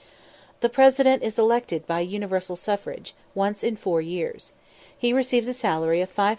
The President is elected by universal suffrage, once in four years. He receives a salary of 5000_l.